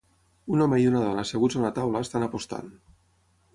Un home i una dona asseguts a una taula estan apostant.